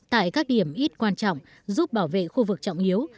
tại các điểm ít quan trọng giúp bảo vệ khu vực trọng yếu